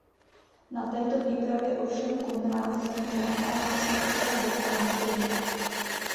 Na této výpravě ovšem Konrád zemřel a Václav se tak dostal na trůn.